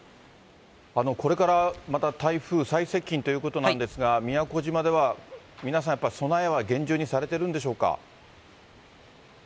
これからまた台風、最接近ということなんですが、宮古島では皆さん、やっぱり備えは厳重にされてるんでしょうか。